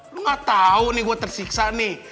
lu gatau nih gua tersiksa nih